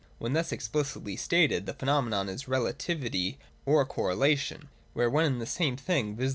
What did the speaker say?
When thus explicitly stated, the phenomenon is rela tivity or correlation : where one and the same thing, viz.